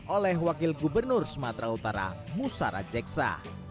oleh wakil gubernur sumatera utara musara jeksa